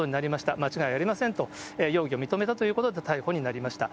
間違いありませんと、容疑を認めたということで逮捕になりました。